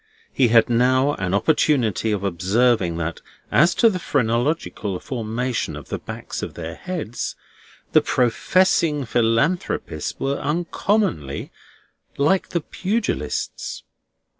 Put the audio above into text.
He had now an opportunity of observing that as to the phrenological formation of the backs of their heads, the Professing Philanthropists were uncommonly like the Pugilists.